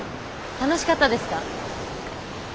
楽しかったですか？